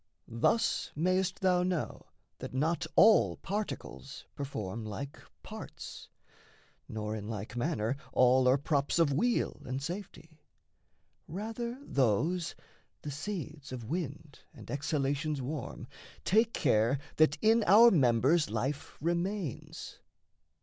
Thus mayst thou know that not all particles Perform like parts, nor in like manner all Are props of weal and safety: rather those The seeds of wind and exhalations warm Take care that in our members life remains.